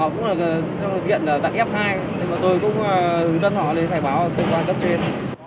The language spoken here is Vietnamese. họ cũng là trong viện dạng f hai nhưng mà tôi cũng hướng dẫn họ lên khai báo tôi qua dấp trên